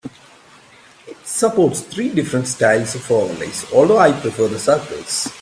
It supports three different styles of overlays, although I prefer the circles.